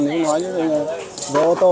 thì nói với ô tô